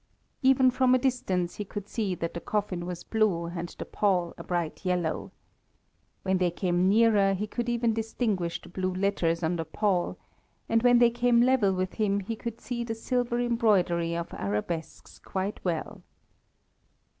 Even from a distance he could see that the coffin was blue and the pall a bright yellow. When they came nearer he could even distinguish the blue letters on the pall, and when they came level with him he could see the silver embroidery of arabesques quite well.